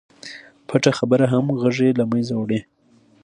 پټه خبره همغږي له منځه وړي.